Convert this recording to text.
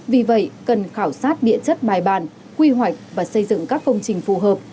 vì vậy cần khảo sát địa chất bài bản quy hoạch và xây dựng các công trình phù hợp